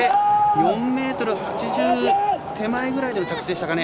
４ｍ８０手前ぐらいでの着地でしょうか。